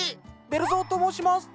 ベルゾウと申します。